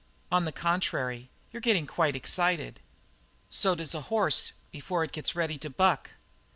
"On the contrary, you're getting quite excited." "So does a horse before it gets ready to buck."